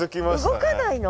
動かないの？